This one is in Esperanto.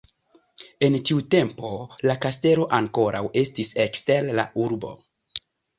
En tiu tempo la kastelo ankoraŭ estis ekster la urbo.